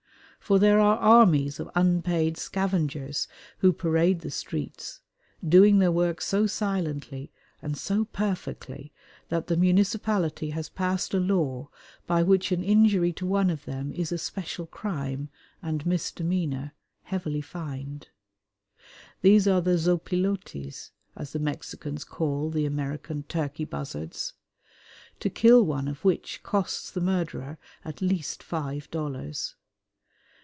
For there are armies of unpaid scavengers who parade the streets, doing their work so silently and so perfectly that the municipality has passed a law by which an injury to one of them is a special crime and misdemeanour, heavily fined. These are the zopilotes, as the Mexicans call the American turkey buzzards, to kill one of which costs the murderer at least five dollars.